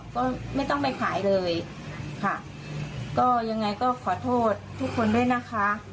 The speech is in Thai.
ก็ไม่ต้องไปขายเลยค่ะก็ยังไงก็ขอโทษทุกคนด้วยนะคะ